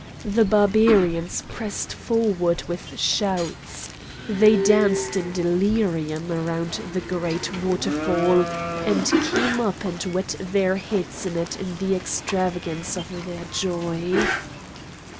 The Barbarians pressed forward with shouts. They danced in delirium around the great waterfall, and came up and wet their heads in it in the extravagance of their joy.